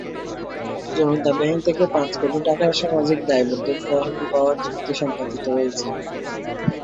জনতা bank থেকে পাঁচ কোটি টাকার সামাজিক দায়বদ্ধতা তহবিল পাওয়ার চুক্তি সম্পাদিত হয়েছে।